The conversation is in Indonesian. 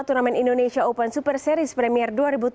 turnamen indonesia open super series premier dua ribu tujuh belas